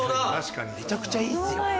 めちゃくちゃいいですよ。